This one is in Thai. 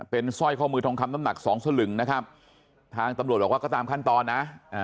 เป็นสร้อยข้อมือทองคำน้ำหนักสองสลึงนะครับทางตำรวจบอกว่าก็ตามขั้นตอนนะ